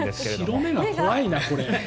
白目が怖いなこれ。